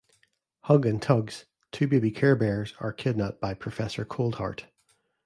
Hug and Tugs, two baby Care Bears are kidnapped by Professor Coldheart.